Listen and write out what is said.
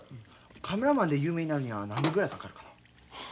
カメラマンで有名になるには何年ぐらいかかるかの？